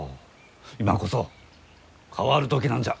今こそ変わる時なんじゃ。